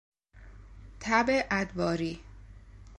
تب ادواری